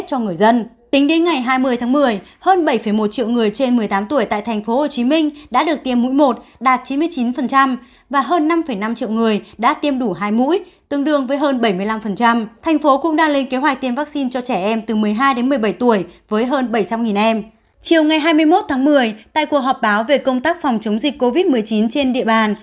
chiều ngày hai mươi một tháng một mươi tại cuộc họp báo về công tác phòng chống dịch covid một mươi chín trên địa bàn